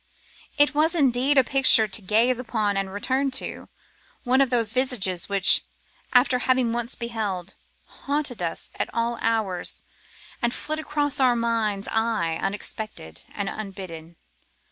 It was indeed a picture to gaze upon and to return to; one of those visages which, after having once beheld, haunt us at all hours and flit across our mind's eye unexpected and unbidden.